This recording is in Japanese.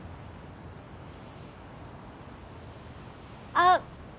あっ！